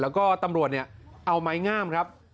แล้วก็ตำรวจเนี่ยเอาไม้งามครับ